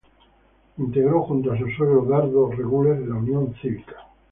Integró, junto a su suegro, Dardo Regules, la Unión Cívica.